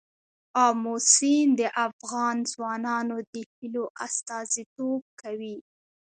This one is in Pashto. آمو سیند د افغان ځوانانو د هیلو استازیتوب کوي.